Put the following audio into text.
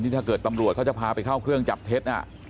ถ้าเกิดตำรวจเขาจะพาไปเข้าเครื่องจับเท็จ